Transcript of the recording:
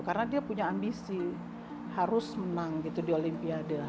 karena dia punya ambisi harus menang gitu di olimpiade